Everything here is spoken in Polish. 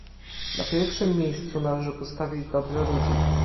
Na pierwszym miejscu należy postawić dobro ludzi